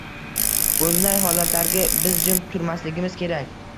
Bunday holatlarga biz jim turmasligimiz kerak.